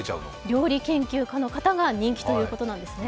料理研究家の方が人気ということなんですね。